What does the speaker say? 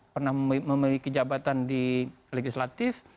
pernah memiliki jabatan di legislatif